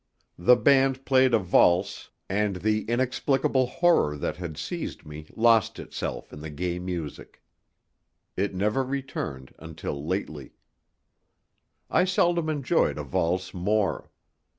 The band played a valse, and the inexplicable horror that had seized me lost itself in the gay music. It never returned until lately. I seldom enjoyed a valse more.